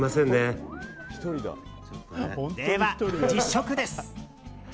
では実食です。